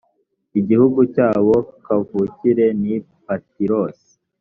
igihugu cyabo kavukire ni patirosi